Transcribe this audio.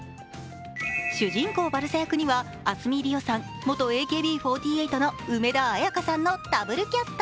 主人公・バルサ役には明日海りおさん、元ＡＫＢ４８の梅田彩佳さんのダブルキャスト。